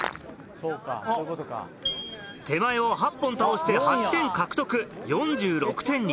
手前を８本倒して８点獲得４６点に。